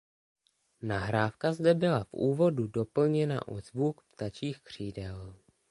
Nahrávka zde byla v úvodu doplněna o zvuk ptačích křídel.